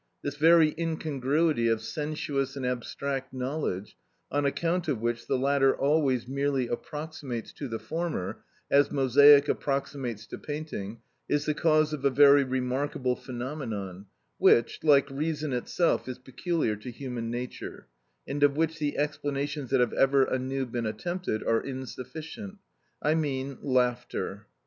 This very incongruity of sensuous and abstract knowledge, on account of which the latter always merely approximates to the former, as mosaic approximates to painting, is the cause of a very remarkable phenomenon which, like reason itself, is peculiar to human nature, and of which the explanations that have ever anew been attempted, are insufficient: I mean laughter.